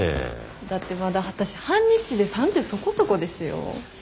だってまだ私半日で３０そこそこですよ。